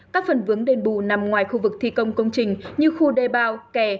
các phần vướng đền bù nằm ngoài khu vực thi công công trình như khu đê bao kè